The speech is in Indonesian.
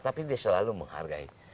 tapi dia selalu menghargai